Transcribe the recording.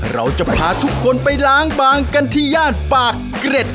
เราจะพาทุกคนไปล้างบางกันที่ย่านปากเกร็ด